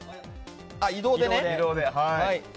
あ、移動でね。